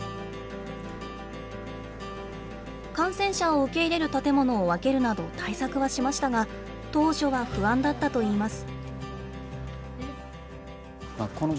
感染者を受け入れる建物を分けるなど対策はしましたが当初は不安だったといいます。